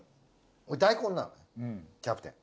俺大根なのキャプテン。